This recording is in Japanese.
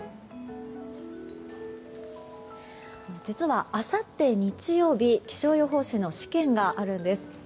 実は、あさって日曜日気象予報士の試験があるんです。